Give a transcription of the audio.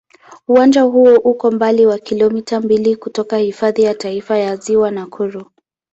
Uwanja huo uko umbali wa kilomita mbili kutoka Hifadhi ya Taifa ya Ziwa Nakuru.